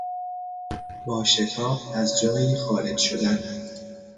با شتاب از جایی خارج شدن